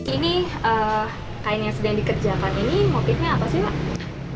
ini kain yang sedang dikerjakan ini motifnya apa sih pak